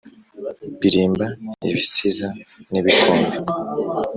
Ririmba ibisiza n'ibikombe